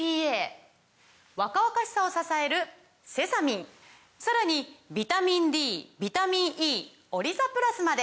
若々しさを支えるセサミンさらにビタミンＤビタミンＥオリザプラスまで！